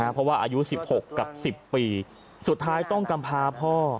เพราะว่าอายุ๑๖กับ๑๐ปีสุดท้ายต้องกำพาพ่อ